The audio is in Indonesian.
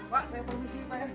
pak saya permisi pak ya